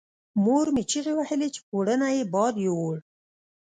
مور مې چیغې وهلې چې پوړونی یې باد یووړ.